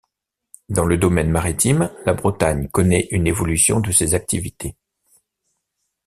Dans le domaine maritime, la Bretagne connaît une évolution de ses activités.